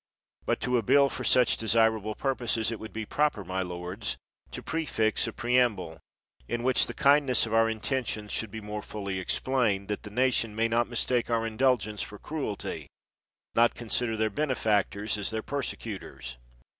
But, to a bill for such desirable purposes, it would be proper, my lords, to prefix a pre amble, in which the kindness of our intentions should be more fully explained, that the nation may not mistake our indulgence for cruelty, not consider their benefactors as their persecutors.